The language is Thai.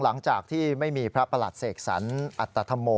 หลังจากที่ไม่มีพระอาจารย์เสกสรรอัตธมโม